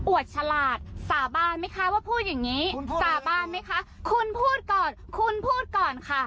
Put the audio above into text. วดฉลาดสาบานไหมคะว่าพูดอย่างนี้สาบานไหมคะคุณพูดก่อนคุณพูดก่อนค่ะ